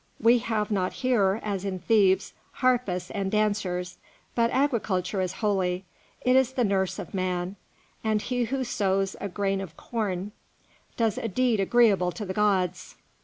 We have not here, as in Thebes, harpists and dancers; but agriculture is holy; it is the nurse of man, and he who sows a grain of corn does a deed agreeable to the gods.